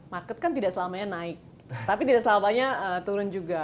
market kan tidak selamanya naik tapi tidak selamanya turun juga